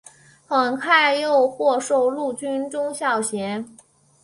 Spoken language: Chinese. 很快又获授陆军中校衔。